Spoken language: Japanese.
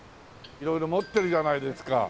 色々持ってるじゃないですか。